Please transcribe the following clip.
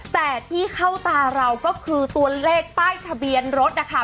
แต่ที่เข้าตาเราก็คือตัวเลขป้ายทะเบียนรถนะคะ